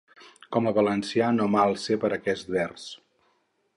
Com a valencià no m’alce per aquest vers.